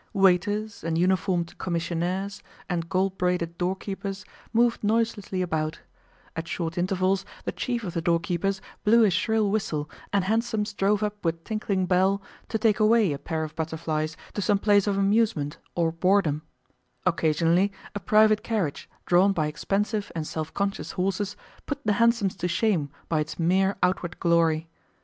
Waiters and uniformed commissionaires and gold braided doorkeepers moved noiselessly about; at short intervals the chief of the doorkeepers blew his shrill whistle and hansoms drove up with tinkling bell to take away a pair of butterflies to some place of amusement or boredom; occasionally a private carriage drawn by expensive and self conscious horses put the hansoms to shame by its mere outward glory.